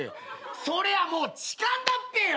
それはもう痴漢だっぺよ！